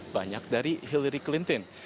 banyak dari hillary clinton